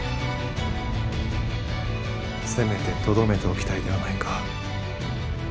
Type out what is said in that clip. せめてとどめておきたいではないか。